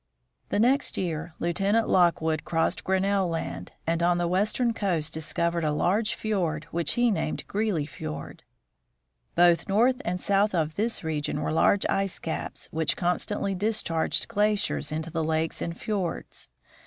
The next year Lieutenant Lockwood crossed Grinnell land, and on the western coast discovered a large fiord which he named Greely fiord. Both north and south of this region were large ice caps, which constantly discharged glaciers into the lakes and fiords.